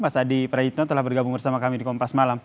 mas adi prayitno telah bergabung bersama kami di kompas malam